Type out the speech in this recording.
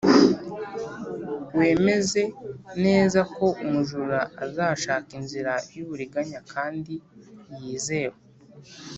wemeze neza ko umujura azashaka inzira yuburiganya kandi yizewe